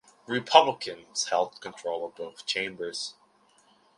Republicans held control of both chambers.